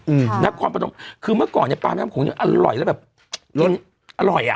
อืมนะความประจำคือเมื่อก่อนเนี้ยปลาแม่น้ำโขงยังอร่อยแล้วแบบอร่อยอ่ะ